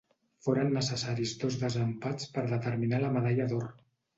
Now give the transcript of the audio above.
Foren necessaris dos desempats per determinar la medalla d'or.